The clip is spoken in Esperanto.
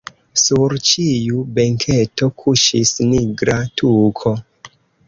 Sur ĉiu benketo kuŝis nigra tuko.